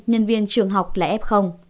nhân viên trường học là f